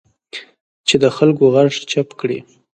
چې د خلکو غږ چپ کړي